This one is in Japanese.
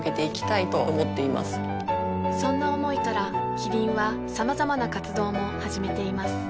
そんな思いからキリンはさまざまな活動も始めています